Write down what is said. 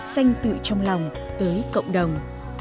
xanh tự trong lòng tới cộng đồng